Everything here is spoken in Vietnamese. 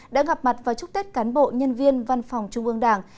đã gặp mặt và chúc tết cán bộ nhân viên văn phòng trung ương đảng